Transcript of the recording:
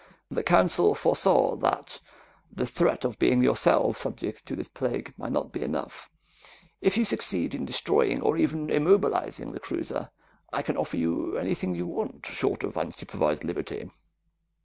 The Council foresaw that the threat of being yourselves subject to this plague might not be enough. If you succeed in destroying or even immobilizing the cruiser, I can offer you anything you want short of unsupervised liberty.